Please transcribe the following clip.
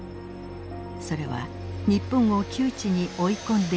それは日本を窮地に追い込んでいく事になります。